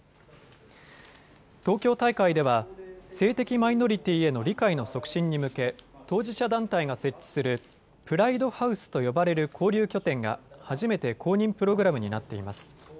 東京大会では性的マイノリティーへの理解の促進に向け当事者団体が設置するプライドハウスと呼ばれる交流拠点が、初めて公認プログラムになっています。